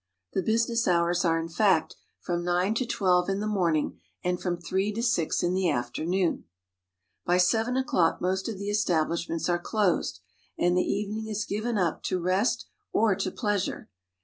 The business hours are, in fact, from nine to twelve in the morning, and from three to six in the afternoon. By seven o'clock most of the establishments are closed, and the evening is given up to rest or to pleasure.